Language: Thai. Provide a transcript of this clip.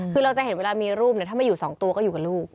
คือเราจะเห็นเวลามีรูปถ้ามาอยู่๒ตัวก็อยู่กับลูก